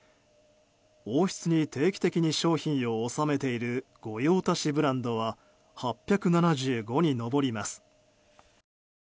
王室に定期的に、商品を納めている御用達ブランドは８７５に上ります。